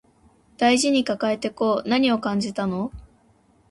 大事に抱えてこう何を感じたの